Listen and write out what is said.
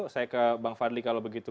saya ke bang fadli kalau begitu